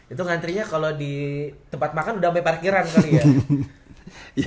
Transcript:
itu antri nya kalo di tempat makan udah sampe parkiran kali ya